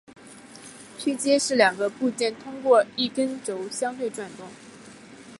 枢接是两个部件通过一根轴相对转动。